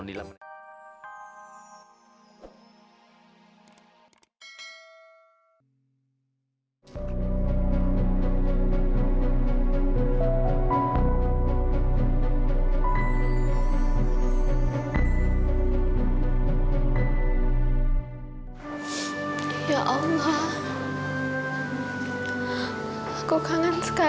sita mau beluk mama